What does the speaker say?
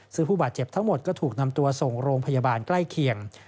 ซึ่งผู้บาดเจ็บทั้งหมดก็ถูกนำตัวส่งโรงพยาบาลใกล้เคียง